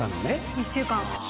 １週間。